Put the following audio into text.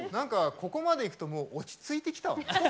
ここまでいくと落ち着いてきたわね。